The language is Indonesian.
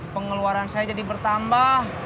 pengeluaran saya jadi bertambah